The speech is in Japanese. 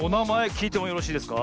きいてもよろしいですか？